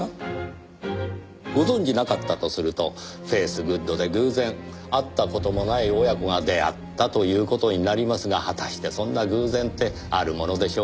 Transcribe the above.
ご存じなかったとするとフェイスグッドで偶然会った事もない親子が出会ったという事になりますが果たしてそんな偶然ってあるものでしょうかねえ？